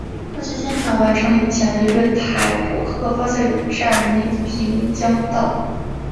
过去天桥完成以前的月台浦贺方向有站内平交道。